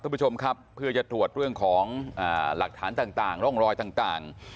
คุณผู้ชมครับเพื่อจะตรวจเรื่องของหลักฐานต่างร่องรอยต่าง